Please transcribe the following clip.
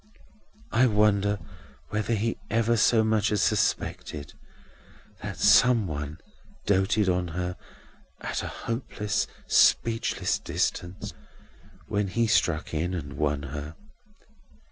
"I wonder whether he ever so much as suspected that some one doted on her, at a hopeless, speechless distance, when he struck in and won her.